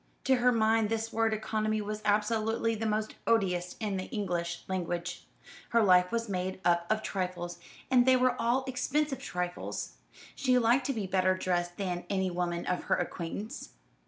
To her mind this word economy was absolutely the most odious in the English language. Her life was made up of trifles; and they were all expensive trifles. She liked to be better dressed than any woman of her acquaintance.